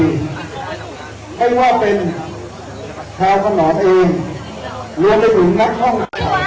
ไม่ว่าเป็นเท้าขนอดเองรวมไปถึงนักช่อง